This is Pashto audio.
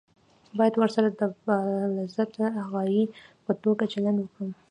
باید ورسره د بالذات غایې په توګه چلند وکړو.